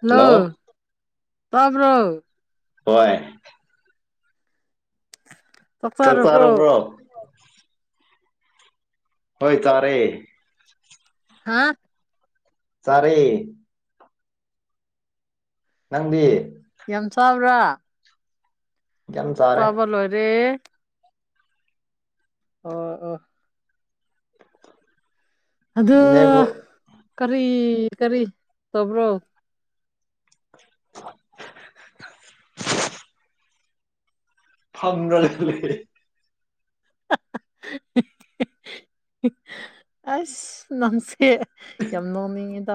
Hello ꯇꯥꯕ꯭ꯔꯣ ꯍꯣꯏ ꯆꯥꯛ ꯄꯥꯔꯨꯕ꯭ꯔꯣ ꯍꯣꯏ ꯇꯥꯔꯦ ꯍꯥ ꯆꯥꯔꯦ ꯅꯪꯗꯤ ꯌꯥꯝ ꯆꯥꯕ꯭ꯔꯥ ꯌꯥꯝ ꯆꯥꯛ ꯆꯥꯔꯦ ꯆꯥꯕ ꯂꯣꯏꯔꯦ ꯑꯣ ꯑꯣ ꯑꯗꯨ ꯅꯦꯕꯨ ꯀꯔꯤ ꯀꯔꯤ ꯇꯧꯕ꯭ꯔꯣ ꯐꯝꯔꯒꯥ ꯂꯩ ꯑꯁ ꯅꯪꯁꯦ ꯌꯥꯝ ꯅꯣꯛꯅꯤꯡꯉꯤꯗ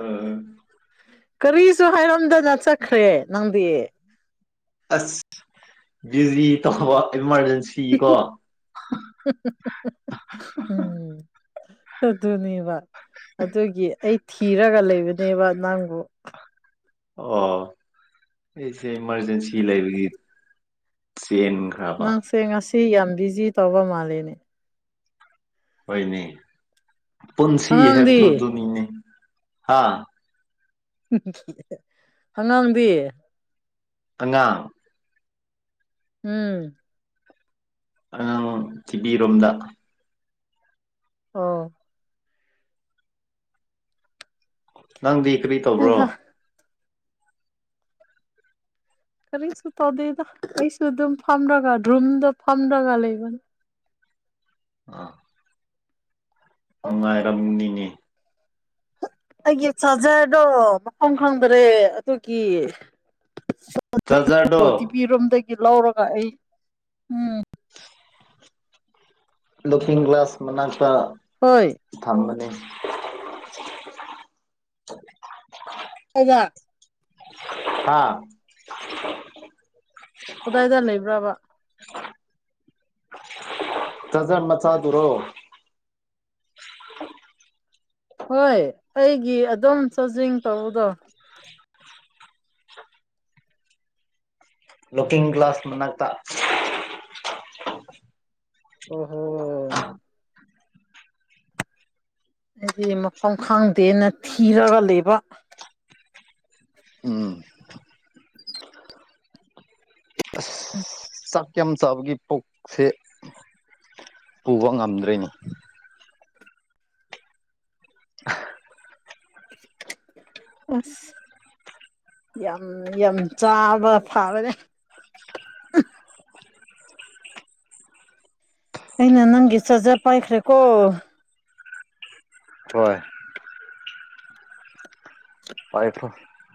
ꯎꯝ ꯎꯝ ꯀꯔꯤꯁꯨ ꯍꯥꯏꯔꯝꯗꯅ ꯆꯠꯈ꯭ꯔꯦ ꯅꯪꯗꯤ ꯑꯁ ꯕꯤꯖꯤ ꯇꯧꯕ ꯏꯃꯥꯔꯖꯦꯟ ꯁꯤꯀꯣ [unintelligible] ꯎꯝ ꯑꯗꯨꯅꯦꯕ ꯑꯗꯨꯒꯤ ꯑꯩ ꯊꯤꯔꯒ ꯂꯩꯕꯅꯦꯕ ꯅꯪꯕꯨ ꯑꯣ ꯑꯩꯁꯦ ꯏꯃꯥꯔꯖꯦꯟꯁꯤ ꯂꯩꯕꯒꯤ ꯆꯦꯟꯒ ꯅꯪꯁꯦ ꯉꯁꯤ ꯌꯥꯝ ꯕꯤꯖꯤ ꯇꯧꯕ ꯃꯥꯜꯂꯦꯅꯦ ꯍꯣꯏꯅꯦ ꯄꯨꯟꯁꯤ ꯑꯉꯥꯡꯗꯤ ꯍꯥꯏꯕꯗꯣ ꯑꯗꯨꯅꯤꯅꯦ ꯍꯥ ꯑꯉꯥꯡꯗꯤ ꯑꯉꯥꯡ ꯎꯝ ꯑꯉꯥꯡ ꯇꯤꯕꯤꯔꯣꯝꯗ ꯑꯣ ꯅꯪꯗꯤ ꯀꯔꯤ ꯇꯧꯕ꯭ꯔꯣ ꯍꯩꯍꯥ ꯀꯔꯤꯁꯨ ꯇꯧꯗꯗ ꯑꯩꯁꯨ ꯑꯗꯨꯝ ꯐꯝꯔꯒ ꯔꯨꯝꯗꯣ ꯐꯝꯔꯒ ꯂꯩꯕ ꯑ ꯅꯨꯡꯉꯥꯏꯔꯝꯅꯤꯅꯦ ꯑꯩꯒꯤ ꯆꯥꯖꯔꯗꯣ ꯃꯐꯝ ꯈꯪꯗꯔꯦ ꯑꯗꯨꯒꯤ꯫ ꯆꯥꯔꯖꯔꯗꯣ ꯇꯤꯚꯤꯔꯣꯝꯗꯒꯤ ꯂꯧꯔꯒ ꯑꯩ ꯎꯝ꯫ ꯂꯨꯀꯤꯡ ꯒꯂꯥꯁ ꯃꯅꯥꯛꯇ꯫ ꯍꯣꯏ꯫ ꯊꯝꯕꯅꯦ꯫ [unintelligible] ꯑꯩꯗ ꯍꯥꯥ꯫ ꯀꯗꯥꯏꯗ ꯂꯩꯕ꯭ꯔꯕ꯫ ꯆꯥꯔꯖꯔ ꯃꯆꯥꯥꯗꯨꯔꯣ꯫ ꯍꯣꯏ ꯑꯩꯒꯤ ꯑꯗꯨꯝ ꯆꯥꯔꯖꯤꯡ ꯇꯧꯕꯗꯣ꯫ ꯂꯨꯀꯤꯡ ꯒꯂꯥ꯭ꯁꯇ ꯃꯅꯥꯛꯇ꯫ [unintelligible] ꯑꯣ ꯍꯣ꯫ ꯑꯩꯗꯤ ꯃꯐꯝ ꯈꯪꯗꯦꯅ ꯊꯤꯔꯒ ꯂꯩꯕ꯫ ꯎꯝ꯫ ꯑꯁ ꯆꯥꯛ ꯌꯥꯝ ꯆꯥꯕꯒꯤ ꯄꯨꯛꯁꯦ ꯄꯨꯕ ꯉꯝꯗꯔ꯭ꯦꯅꯦ꯫ ꯑꯁ꯫ ꯌꯥꯝ-ꯌꯥꯝ ꯆꯥꯕ ꯐꯥꯕꯅꯦ꯫ ꯑꯩꯅ ꯅꯪꯒꯤ ꯆꯥꯔꯖꯔ ꯄꯥꯏꯈ꯭ꯔꯦꯀꯣ꯫ ꯍꯣꯏ꯫ ꯄꯥꯏꯈꯔꯣ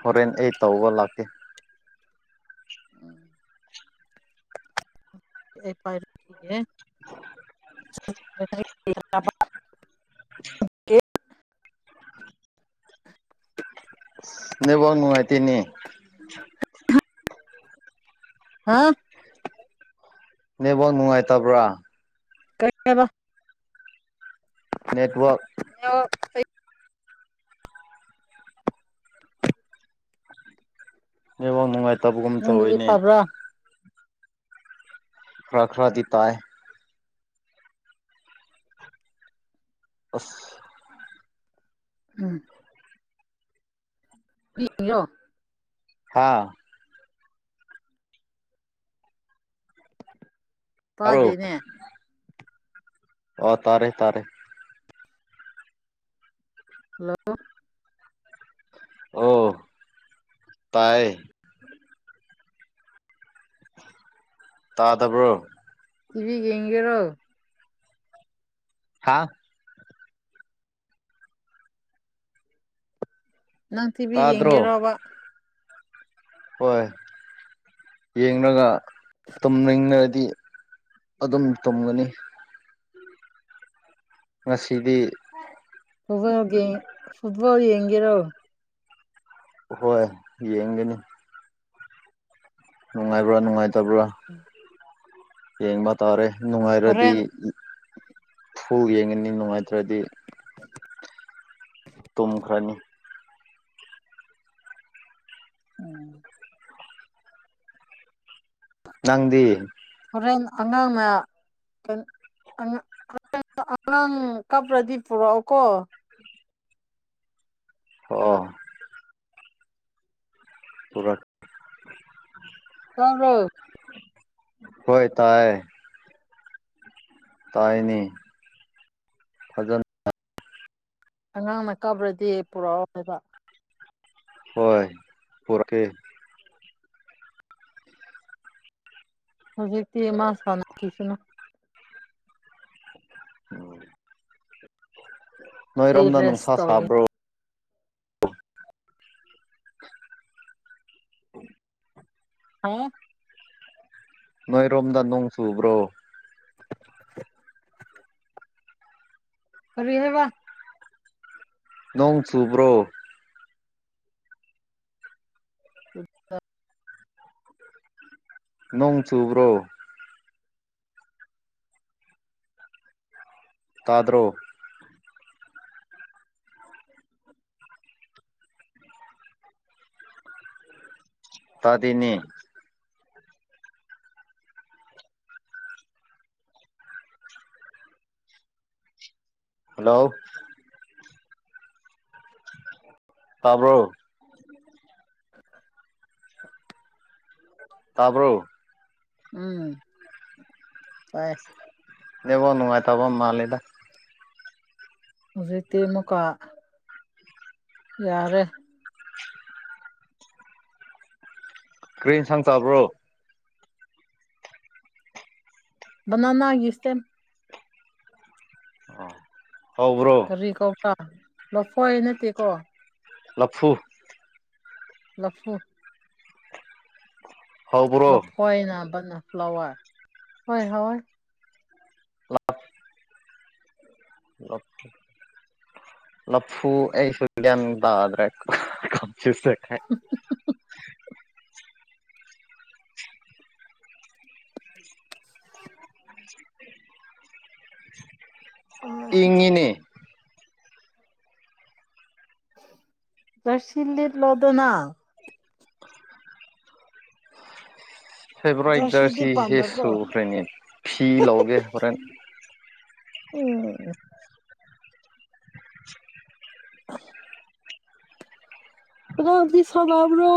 ꯍꯣꯔꯦꯟ ꯑꯩ ꯇꯧꯕ ꯂꯥꯛꯀꯦ ꯑꯩ ꯄꯥꯏꯔꯨꯈꯤꯒꯦ [unintelligible] ꯅꯦꯠꯋꯥꯛ ꯅꯨꯉꯥꯏꯇꯦꯅꯦ [inaudible] ꯍꯥ ꯅꯦꯠꯋꯥꯛ ꯅꯨꯡꯉꯥꯏꯇꯕ꯭ꯔꯥ ꯀꯩ ꯍꯥꯏꯕ ꯅꯦꯠꯋꯥꯛ [unintelligible] ꯅꯦꯠꯋꯥꯛ ꯅꯨꯡꯉꯥꯏꯇꯕꯒꯨꯝ ꯅꯪꯒꯤꯗꯤ ꯇꯧꯋꯤꯅꯦ ꯐꯕ꯭ꯔꯥ ꯈ꯭ꯔꯥ ꯈ꯭ꯔꯥꯗꯤ ꯇꯥꯏ ꯑꯁ ꯎꯝ [unintelligible] ꯍꯥꯥ ꯇꯥꯕ꯭ꯔꯣ ꯇꯥꯗꯦꯅꯦ ꯑꯣ ꯇꯥꯔꯦ ꯇꯥꯔꯦ ꯍꯜꯂꯣ ꯑꯣ ꯇꯥꯏ ꯇꯥꯗꯕ꯭ꯔꯣ ꯇꯤꯚꯤ ꯌꯦꯡꯒꯦꯔꯣ ꯍꯥꯥ ꯅꯪ ꯇꯤꯚꯤ ꯇꯥꯗ꯭ꯔꯣ ꯌꯦꯡꯒꯦꯔꯣꯕ ꯍꯣꯏ ꯌꯦꯡꯂꯒ ꯇꯨꯝꯅꯤꯡꯉꯗꯤ ꯑꯗꯨꯝ ꯇꯨꯝꯒꯅꯤ ꯉꯁꯤꯗꯤ [unintelligible] ꯒꯤ ꯐꯨꯠꯕꯣꯜ ꯌꯦꯡꯒꯦꯔꯣ ꯍꯣꯏ ꯌꯦꯡꯒꯅꯤ ꯅꯨꯡꯉꯥꯏꯕ꯭ꯔꯥ ꯅꯨꯡꯉꯥꯏꯇꯕ꯭ꯔꯥ ꯌꯦꯡꯕ ꯇꯥꯔꯦ ꯅꯨꯡꯉꯥꯏꯔꯗꯤ ꯍꯣꯔꯦꯟ ꯐꯨꯜ ꯌꯦꯡꯒꯅꯤ ꯅꯨꯡꯉꯥꯏꯇ꯭ꯔꯥꯗꯤ ꯇꯨꯝꯈ꯭ꯔꯥꯅꯤ ꯎꯝ ꯅꯪꯗꯤ ꯍꯣꯔꯦꯟ ꯑꯉꯥꯡꯅ ꯑꯉꯥꯡ [unintelligible] ꯑꯉꯥꯡ ꯀꯞꯔꯗꯤ ꯄꯨꯔꯛꯑꯣ ꯀꯣ ꯍꯣ ꯄꯨꯨꯔꯛ ꯇꯥꯕ꯭ꯔꯣ ꯍꯣꯏ ꯇꯥꯏ ꯇꯥꯏꯅꯦ ꯐꯖꯟ ꯑꯉꯥꯡꯅ ꯀꯥꯞꯔꯗꯤ ꯄꯨꯔꯛꯑꯣ ꯍꯥꯏꯕ ꯍꯣꯏ ꯄꯨꯔꯛꯀꯦ ꯍꯧꯖꯤꯛꯇꯤ ꯃꯥ ꯁꯥꯟꯅꯈꯤꯁꯨꯅꯨ ꯎꯝ ꯑꯩ ꯅꯣꯏꯔꯣꯝꯗ ꯔꯦꯁ ꯅꯨꯡꯁꯥ ꯇꯧꯒꯦ ꯁꯥꯕ꯭ꯔꯣ ꯍꯥ ꯅꯣꯏꯔꯣꯝꯗ ꯅꯣꯡ ꯆꯨꯕ꯭ꯔꯣ ꯀꯔꯤ ꯍꯥꯏꯕ ꯅꯣꯡ ꯆꯨꯕ꯭ꯔꯣ [unintelligible] ꯅꯣꯡ ꯆꯨꯕ꯭ꯔꯣ ꯇꯥꯗ꯭ꯔꯣ ꯇꯥꯗꯦꯅꯦ ꯍꯜꯂꯣ ꯇꯥꯕ꯭ꯔꯣ [inaudible] ꯇꯥꯕ꯭ꯔꯣ ꯎꯝ ꯇꯥꯏ ꯅꯦꯠꯋꯥꯥꯛ ꯅꯨꯡꯉꯥꯏꯇꯥꯕꯥ ꯃꯥꯜꯂꯦꯗ ꯍꯧꯖꯤꯛꯇꯤ ꯃꯨꯛꯀꯥ ꯌꯥꯔꯦ ꯀꯔꯤ ꯏꯟꯁꯥꯡ ꯆꯥꯕ꯭ꯔꯣ ꯕꯅꯅꯥ ꯒꯤ ꯏꯇꯦꯝ ꯑ ꯍꯥꯎꯕ꯭ꯔꯣ ꯀ꯭ꯔꯤ ꯀꯧꯄ꯭ꯔꯥ ꯂꯐꯣꯏ ꯅꯠꯇꯦꯀꯣ ꯂꯐꯨ ꯂꯐꯨ ꯍꯥꯎꯕꯣꯔꯣ ꯈꯣꯏꯅ ꯕꯟꯅꯥ ꯐ꯭ꯂꯣꯋꯔ ꯍꯣꯏ ꯍꯥꯎꯋꯦ [unintelligible] ꯂꯐꯨ ꯑꯩꯁꯨꯨ ꯒꯌꯦ꯭ꯟ ꯇꯗ꯭ꯔꯦ ꯀꯟꯐꯤꯌꯨꯁ ꯆꯠꯈ꯭ꯔꯦ [unintelligible] [inaudible] ꯏꯪꯉꯦꯅꯦ ꯖꯥꯔꯁꯤ ꯂꯤꯠꯂꯣꯗꯅ ꯐꯦꯕ꯭ꯔꯥꯏꯠ ꯖꯔꯁꯤꯗꯤ ꯖꯔꯁꯤꯁꯦ ꯄꯥꯝꯗꯕ꯭ꯔꯣ ꯁꯨꯈ꯭ꯔꯦꯅꯦ ꯐꯤ ꯂꯧꯒꯦ ꯍꯣꯔꯦꯟ ꯎꯝ [unintelligible] ꯑꯗꯣ ꯍꯧꯖꯤꯛ ꯁꯅꯕ꯭ꯔꯣ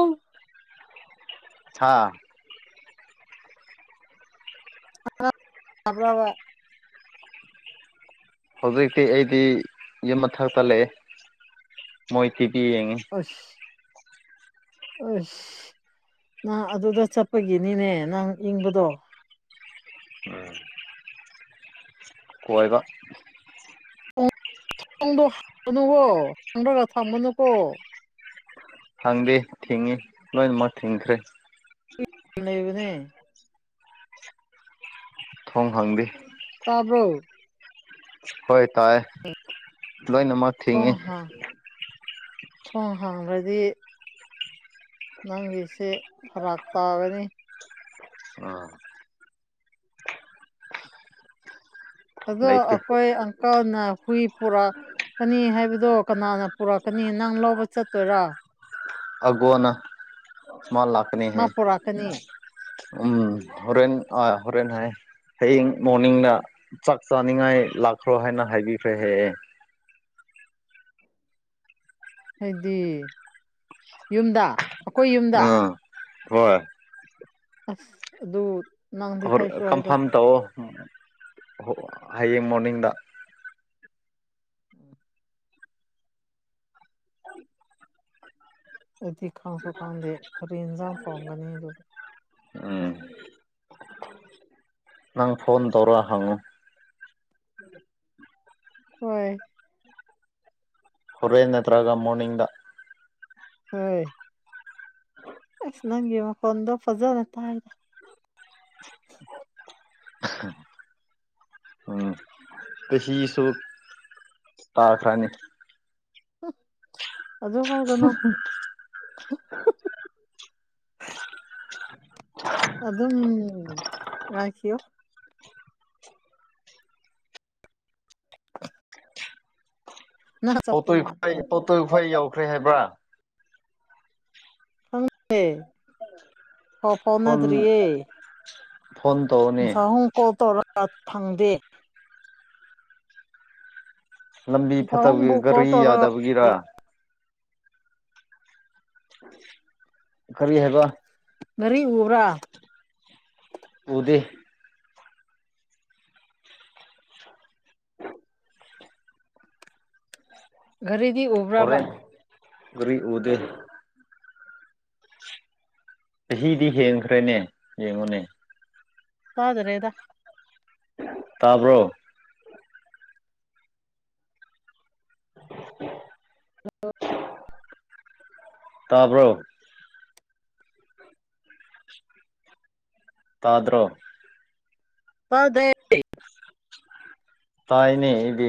ꯁꯥ [unintelligible] ꯕ꯭ꯔꯥꯕ ꯍꯧꯖꯤꯛꯇꯤ ꯑꯩꯗꯤ ꯌꯨꯝ ꯃꯊꯛꯇ ꯂꯩꯌꯦ ꯃꯣꯏ ꯇꯤꯚꯤ ꯌꯦꯡꯉꯤ ꯑꯁ ꯑꯁ ꯅꯪ ꯑꯗꯨꯗ ꯆꯠꯄꯒꯤꯅꯤꯅꯦ ꯅꯪ ꯏꯪꯕꯗꯣ [unintelligible] ꯀꯣꯏꯕ ꯊꯣꯡꯗꯣ [unintelligible] ꯅꯨꯀꯣ ꯍꯥꯡꯔꯒ ꯊꯝꯃꯅꯨꯀꯣ ꯍꯥꯡꯗꯦ ꯊꯤꯡꯉꯤ ꯂꯣꯏꯅꯃꯛ ꯊꯤꯡꯈ꯭ꯔꯦ [unintelligible] ꯂꯩꯕꯅꯦ ꯊꯣꯡ ꯍꯥꯡꯗꯦ ꯇꯥꯕ꯭ꯔꯣ ꯍꯣꯏ ꯇꯥꯏꯌꯦ ꯂꯣꯏꯅꯃꯛ ꯊꯤꯡꯉꯤ ꯊꯣꯡ ꯍꯥꯡ ꯊꯣꯡ ꯍꯥꯡꯈ꯭ꯔꯗꯤ ꯅꯪꯒꯤꯁꯦ ꯐꯔꯥꯛ ꯇꯥꯒꯅꯤ ꯑ ꯑꯗꯣ ꯂꯩꯇꯦ ꯑꯩꯈꯣꯏ ꯑꯪꯀꯜꯅ ꯍꯨꯏ ꯄꯨꯔꯛ ꯀꯅꯤ ꯍꯥꯏꯕꯗꯣ ꯀꯅꯥꯅ ꯄꯨꯔꯛꯀꯅꯤ ꯅꯪ ꯂꯧꯕ ꯆꯠꯇꯣꯏꯔꯣ ꯑꯒꯣꯅ ꯃꯥ ꯂꯥꯛꯀꯅꯤ ꯃꯥ ꯍꯥꯏ ꯄꯨꯔꯛꯀꯅꯤ ꯎꯝ ꯍꯣꯔꯦꯟ ꯑ ꯍꯣꯔꯦꯟ ꯍꯥꯏ ꯍꯌꯦꯡ ꯃꯣꯔꯅꯤꯡꯅ ꯆꯥꯛ ꯆꯥꯅꯤꯡꯉꯥꯏ ꯂꯥꯛꯈ꯭ꯔꯣ ꯍꯥꯏꯅ ꯍꯥꯏꯕꯤꯈ꯭ꯔꯦ ꯍꯌꯦꯡ ꯍꯥꯏꯗꯤ ꯌꯨꯝꯗ ꯑꯩꯈꯣꯏ ꯌꯨꯝꯗ ꯑꯥ ꯍꯣꯏ ꯑꯁ ꯑꯗꯨ ꯅꯪꯗꯤ ꯍꯥꯏꯁꯨ ꯍꯥꯏꯗ ꯀꯟꯐꯥꯝ ꯇꯧꯑꯣ ꯍꯌꯦꯡ ꯃꯣꯔꯅꯤꯡꯗ ꯎꯝ ꯑꯗꯨꯗꯤ ꯈꯪꯁꯨ ꯈꯪꯗꯦ ꯀꯔꯤ ꯏꯟꯖꯥꯡ ꯊꯣꯡꯒꯅꯤ ꯑꯗꯨ ꯎꯝ ꯅꯪ ꯐꯣꯟ ꯇꯧꯔꯛ ꯍꯪꯉꯣ ꯍꯣꯏ ꯍꯣꯔꯦꯟ ꯅꯠꯇ꯭ꯔꯒ ꯃꯣꯔꯅꯤꯡꯗ ꯍ ꯑꯁ ꯅꯪꯒꯤ ꯃꯈꯣꯟꯗꯣ ꯐꯖꯅꯇꯥꯗ ꯎꯝ ꯆꯍꯤꯁꯨ ꯇꯥꯈ꯭ꯔꯅꯤ ꯑꯗꯨ ꯍꯥꯏꯒꯅꯣ ꯑꯗꯨꯝ ꯉꯥꯏꯈꯤꯌꯣ [unintelligible] ꯅꯪ ꯆꯠꯄ ꯑꯣꯇꯣꯏ ꯈ꯭ꯋꯥꯏ ꯃꯥꯜꯂꯦꯗ [unintelligible] ꯈ꯭ꯋꯥꯏ ꯌꯥꯎꯈ꯭ꯔꯦ ꯍꯥꯏꯕ꯭ꯔꯥ ꯈꯪꯗꯦ ꯄꯥꯎ ꯐꯣꯟ ꯐꯥꯎꯅꯗ꯭ꯔꯤꯌꯦ ꯐꯣꯟ ꯇꯧꯋꯣ ꯁꯥꯍꯨꯝ ꯀꯣꯜ ꯇꯧꯔ ꯐꯪꯗꯦ ꯂꯝꯕꯤ ꯐꯠꯇꯕꯒꯤ ꯄꯥꯕꯨꯡꯕꯨ ꯀꯣꯜ ꯒꯥꯔꯤ ꯇꯧꯔꯒ ꯌꯥꯗꯕꯒꯤꯔ [unintelligible] ꯀꯔꯤ ꯍꯥꯏꯕ ꯒꯔꯤ ꯎꯕ꯭ꯔꯥ ꯎꯗꯦ ꯒꯔꯤꯗꯤ ꯎꯕ ꯑꯣꯔꯦ ꯒꯔꯤ ꯎꯗꯦ ꯆꯍꯤꯗꯤ ꯍꯦꯟꯈ꯭ꯔꯦꯅꯦ ꯌꯦꯡꯉꯨꯅꯦ ꯇꯥꯗꯔꯦꯗ ꯇꯥꯕ꯭ꯔꯣ ꯍꯜꯂꯣ ꯇꯥꯕ꯭ꯔꯣ ꯇꯥꯗ꯭ꯔꯣ ꯇꯥꯗꯦ ꯇꯥꯏꯅꯦ ꯑꯩꯗꯤ